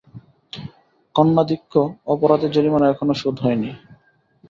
কন্যাধিক্য-অপরাধের জরিমানা এখনো শোধ হয় নি।